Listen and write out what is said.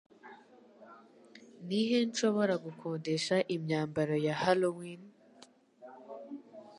Ni he nshobora gukodesha imyambaro ya Halloween?